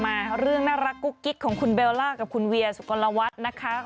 มาเรื่องน่ารักกุ๊กกิ๊กของคุณเบลล่ากับคุณเวียสุกลวัฒน์นะคะ